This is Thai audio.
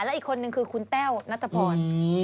และอีกคนนึงคือคุณแต้วนัทพร